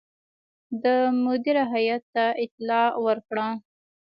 ده مدیره هیات ته اطلاع ورکړه.